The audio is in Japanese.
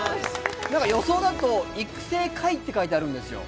予想だと育成下位と書いてあるんですよ。